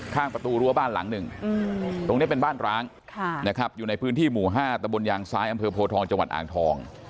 ข้างประตูรั้วบ้านหลังหนึ่งตรงนี้เป็นบ้านร้างนะครับอยู่ในพื้นที่หมู่๕ตะบนยางซ้ายอำเภอโพทองจังหวัดอ่างทอง